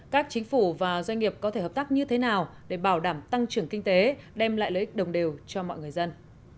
các chính phủ và doanh nghiệp có thể hợp tác như thế nào để bảo đảm tăng trưởng kinh tế đem lại lợi ích đồng đều cho mọi người dân